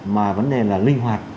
mà vấn đề là linh hoạt